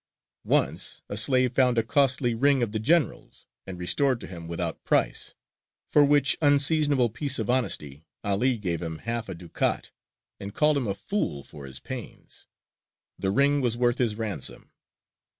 Once a slave found a costly ring of the general's, and restored to him without price: for which "unseasonable piece of honesty" 'Ali gave him half a ducat, and called him a fool for his pains; the ring was worth his ransom.